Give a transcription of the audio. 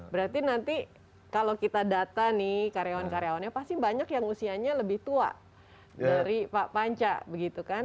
berarti nanti kalau kita data nih karyawan karyawannya pasti banyak yang usianya lebih tua dari pak panca begitu kan